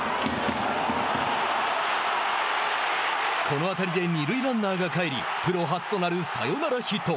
この当たりで二塁ランナーが帰りプロ初となるサヨナラヒット。